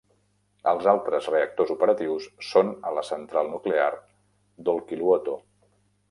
Els altres reactors operatius són a la central nuclear d'Olkiluoto.